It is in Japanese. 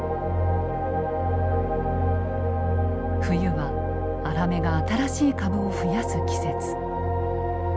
冬はアラメが新しい株を増やす季節。